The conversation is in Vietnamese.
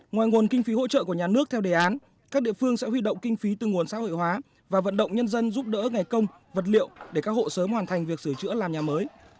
ngoài nguồn kinh phí hỗ trợ của nhà nước theo đề án các địa phương sẽ huy động kinh phí từ nguồn xã hội hóa và vận động nhân dân giúp đỡ ngày công vật liệu để các hộ sớm hoàn thành việc sửa chữa làm nhà mới